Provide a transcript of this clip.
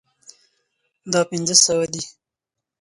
دا پنځه سوه دي